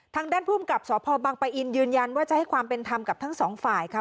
ทางด้านภูมิกับสพบังปะอินยืนยันว่าจะให้ความเป็นธรรมกับทั้งสองฝ่ายค่ะ